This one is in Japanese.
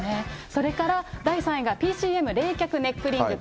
それから第３位がＰＣＭ冷却ネックリング。